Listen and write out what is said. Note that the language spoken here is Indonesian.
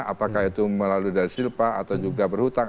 apakah itu melalui dari silpa atau juga berhutang